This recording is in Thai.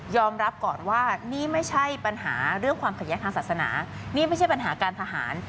รับก่อนว่านี่ไม่ใช่ปัญหาเรื่องความขัดแย้งทางศาสนานี่ไม่ใช่ปัญหาการทหาร